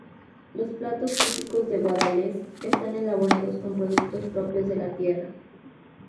Los platos típicos de Guadalest están elaborados con productos propios de la tierra.